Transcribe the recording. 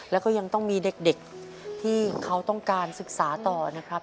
แล้วก็ยังต้องมีเด็กที่เขาต้องการศึกษาต่อนะครับ